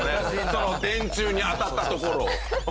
その電柱に当たったところを。